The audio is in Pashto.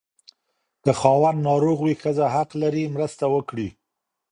که خاوند ناروغ وي، ښځه حق لري مرسته وکړي.